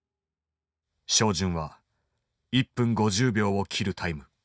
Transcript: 照準は１分５０秒を切るタイム。